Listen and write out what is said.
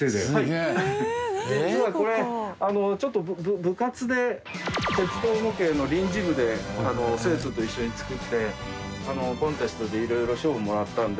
実はこれちょっと部活で鉄道模型の臨時部で生徒と一緒に作ってコンテストで色々賞をもらったんで。